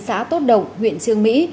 xã tốt động huyện trương mỹ